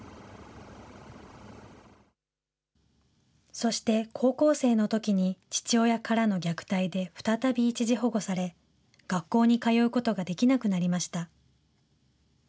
そして、高校生のときに父親からの虐待で再び一時保護され、学校に通うことができなくなりました。